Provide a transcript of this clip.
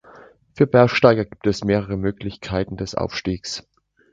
Für Bergsteiger gibt es mehrere Möglichkeiten des Aufstiegs.